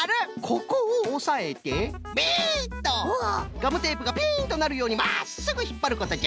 ガムテープがピンとなるようにまっすぐひっぱることじゃ。